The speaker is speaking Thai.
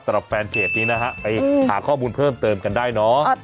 สำหรับแฟนเพจนี้นะฮะไปหาข้อมูลเพิ่มเติมกันได้เนาะ